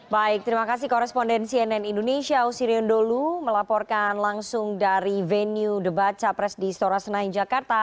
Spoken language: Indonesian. baik terima kasih koresponden cnn indonesia osirion dholu melaporkan langsung dari venue debat capres di soros nainjakarta